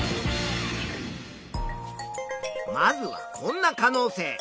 まずはこんな可能性。